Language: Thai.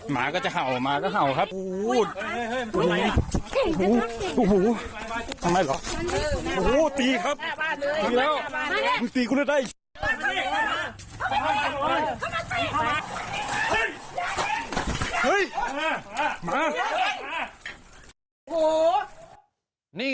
มาดี